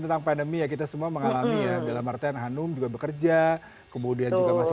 tentang pandemi ya kita semua mengalami ya dalam artian hanum juga bekerja kemudian juga masih